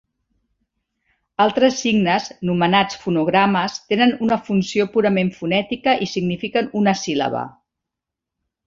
Altres signes, nomenats fonogrames, tenen una funció purament fonètica i signifiquen una síl·laba.